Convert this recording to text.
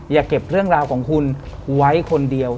อย่าเก็บเรื่องราวของคุณไว้คนเดียว